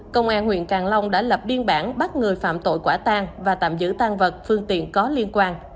công an huyện càng long đã lập biên bản bắt người phạm tội quả tan và tạm giữ tăng vật phương tiện có liên quan